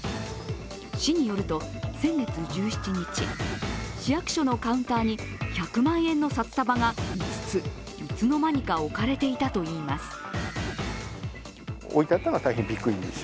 市によると、先月１７日市役所のカウンターに１００万円の札束が５つ、いつの間にか置かれていたといいます。